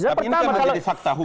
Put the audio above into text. tapi ini kan menjadi fakta hukum